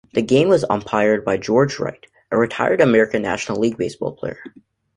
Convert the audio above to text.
The game was umpired by George Wright, a retired American National League baseball player.